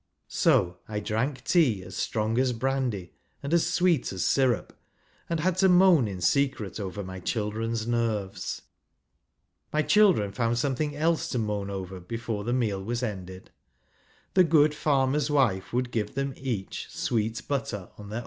So I drank tea as strong as brandy 1 1 and as sweet as syrup, and had to moan in 1 secret over my children's nerves. My children i found something else to moan over before the j meal was ended; the good farmer's wife !, would give them each " sweet butter " on their